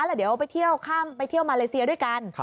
แล้วเดี๋ยวไปเที่ยวข้ามไปเที่ยวมาเลเซียด้วยกัน